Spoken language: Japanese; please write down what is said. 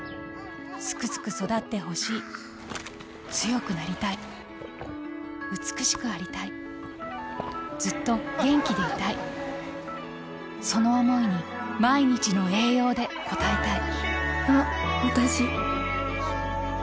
スクスク育ってほしい強くなりたい美しくありたいずっと元気でいたいその想いに毎日の栄養で応えたいあっわたし。